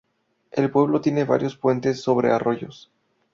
El pueblo tiene varios puentes sobre arroyos.